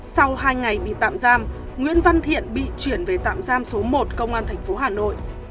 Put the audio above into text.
sau hai ngày bị tạm giam nguyễn văn thiện bị chuyển về tạm giam số một công an tp hà nội